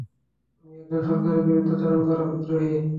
তুমি একজন সরকারের বিরুদ্ধাচারণ করা বিদ্রোহী!